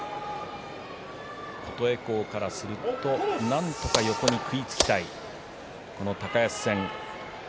琴恵光からするとなんとか横に食いつきたい高安戦。